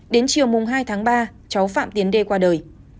đến chiều mùng hai tháng ba cháu phạm tiến đê qua đời